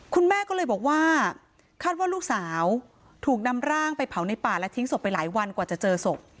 คุณแม่ก็เลยบอกว่าคาดว่าลูกสาวถูกนำร่างไปเผาในป่าและทิ้งศพไปหลายวันกว่าจะเจอศพ